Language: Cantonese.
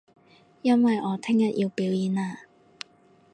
因為我聽日要表演啊